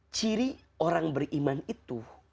ciri orang beriman itu